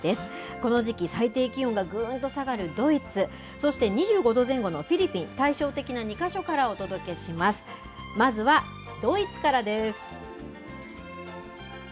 この時期、最低気温がぐーんと下がるドイツ、そして、２５度前後のフィリピン、対照的な２か所からお届けします。